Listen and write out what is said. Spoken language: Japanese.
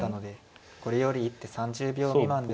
これより一手３０秒未満で。